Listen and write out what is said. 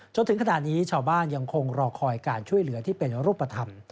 จนถึงขณะนี้ชาวบ้านยังคงรอคอยการช่วยเหลือที่เป็นรูปธรรม